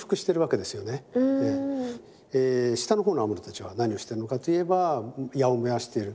下のほうのアモルたちは何をしてるのかといえば矢を燃やしている。